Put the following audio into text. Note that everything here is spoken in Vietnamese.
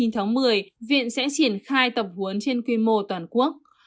chín tháng một mươi viện sẽ triển khai tập huấn trên quy mô toàn quốc